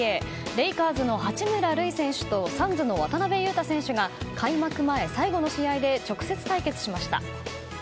レイカーズの八村塁選手とサンズの渡邊雄太選手が開幕前最後の試合で直接対決しました。